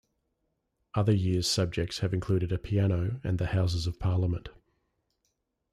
Other years' subjects have included a piano and the Houses of Parliament.